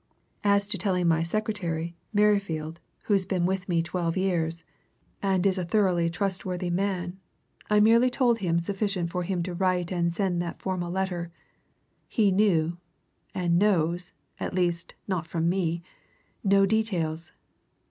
As to telling my secretary, Merrifield, who's been with me twelve years, and is a thoroughly trustworthy man, I merely told him sufficient for him to write and send that formal letter he knew, and knows (at least, not from me) no details.